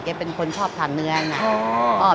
เก๊เป็นคนชอบทานเนื้ออย่างนี้อ๋อ